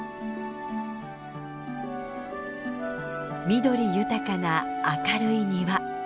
緑豊かな明るい庭。